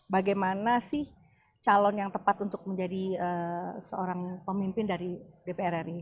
bagaimana sih calon yang tepat untuk menjadi seorang pemimpin dari dpr ri